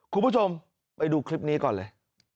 คุณผู้ชมไปดูคลิปนี้ก่อนเลย